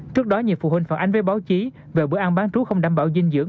trước đó nhiều phụ huynh phản ánh với báo chí về bữa ăn bán trú không đảm bảo dinh dưỡng